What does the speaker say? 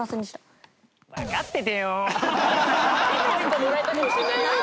１ポイントもらえたかもしれないよ